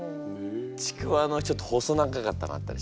ちくわのちょっと細長かったのあったでしょ？